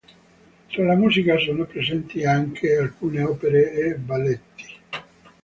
Tra la musica sono presenti anche alcune opere e balletti.